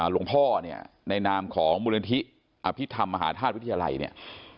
หลวงพ่อเนี่ยในนามของมูลนิธิอภิษฐรรมมหาธาตุวิทยาลัยเนี่ย